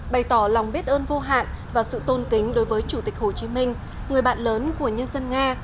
bày tỏ lòng biết ơn vô hạn và sự tôn kính đối với chủ tịch hồ chí minh người bạn lớn của nhân dân nga